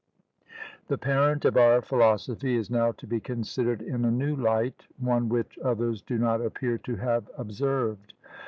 The parent of our philosophy is now to be considered in a new light, one which others do not appear to have observed.